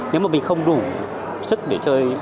nếu mà mình không đủ sức để chơi